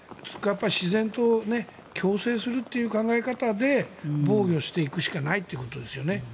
自然と共生するという考え方で防御していくしかないってことですよね。